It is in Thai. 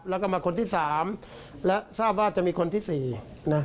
แล้วก็มาคนที่สามและทราบว่าจะมีคนที่สี่นะ